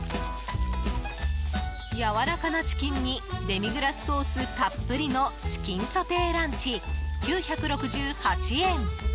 やわらかなチキンにデミグラスソースたっぷりのチキンソテーランチ、９６８円。